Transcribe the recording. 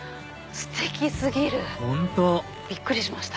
ステキ過ぎるびっくりしました。